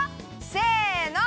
せの。